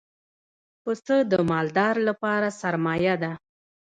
پسه د مالدار لپاره سرمایه ده.